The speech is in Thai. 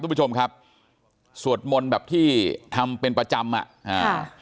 คุณผู้ชมครับสวดมนต์แบบที่ทำเป็นประจำอ่ะอ่า